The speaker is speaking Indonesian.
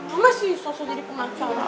gimana sih sosok jadi pengacara